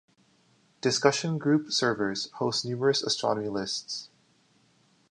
Discussion group servers host numerous astronomy lists.